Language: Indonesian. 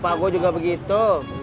kata bapak gue juga begitu